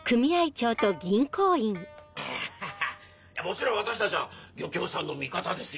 もちろん私たちは漁協さんの味方ですよ。